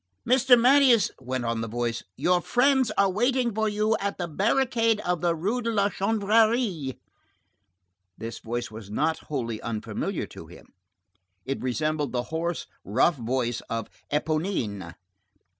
"Mr. Marius," went on the voice, "your friends are waiting for you at the barricade of the Rue de la Chanvrerie." This voice was not wholly unfamiliar to him. It resembled the hoarse, rough voice of Éponine.